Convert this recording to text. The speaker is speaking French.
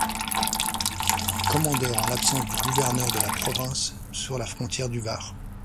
Commandeur en l'absence du gouverneur de la Provence sur la frontière du Var.